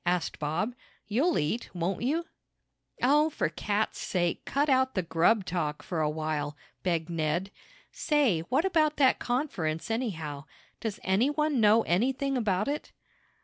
asked Bob. "You'll eat; won't you?" "Oh, for cats' sake, cut out the grub talk for a while!" begged Ned. "Say, what about that conference, anyhow? Does any one know anything about it?"